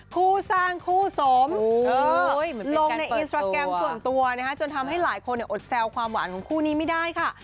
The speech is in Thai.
คู่สร้างคู่สมลงในอินสตราแกรมส่วนตัวนะคะจนทำให้หลายคนอดแซวความหวานของคู่นี้ไม่ได้ค่ะ